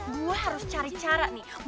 gue harus cari cara nih